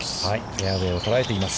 フェアウェイを捉えています。